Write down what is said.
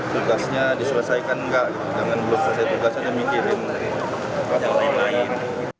tugasnya diselesaikan enggak jangan belok tugasnya memimpin yang lain